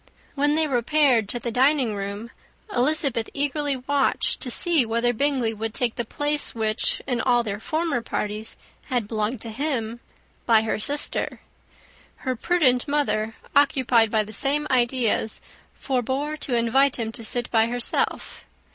When they repaired to the dining room, Elizabeth eagerly watched to see whether Bingley would take the place which, in all their former parties, had belonged to him, by her sister. Her prudent mother, occupied by the same ideas, forbore to invite him to sit by herself.